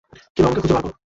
কেউ আমাকে খুঁজে বের কর!